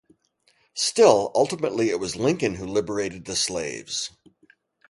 Still, ultimately it was Lincoln who liberated the slaves.